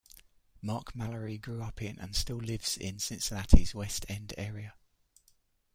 Mark Mallory grew up in and still lives in Cincinnati's West End area.